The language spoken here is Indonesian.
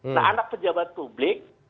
nah anak pejabat publik